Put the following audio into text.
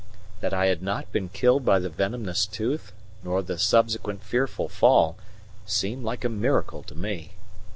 That I had not been killed by the venomous tooth, nor the subsequent fearful fall, seemed like a miracle to me.